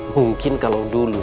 mungkin kalau dulu